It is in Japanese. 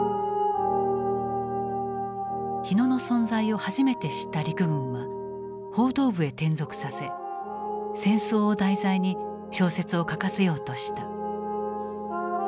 火野の存在を初めて知った陸軍は報道部へ転属させ戦争を題材に小説を書かせようとした。